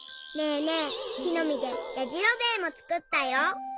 えきのみでやじろべえもつくったよ。